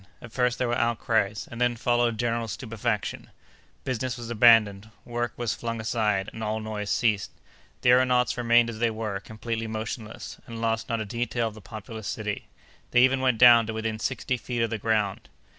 At first there were outcries, and then followed general stupefaction; business was abandoned; work was flung aside, and all noise ceased. The aëronauts remained as they were, completely motionless, and lost not a detail of the populous city. They even went down to within sixty feet of the ground.